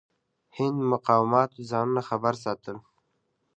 هند مقاماتو ځانونه خبر ساتل.